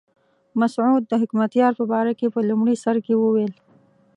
مسعود د حکمتیار په باره کې په لومړي سر کې وویل.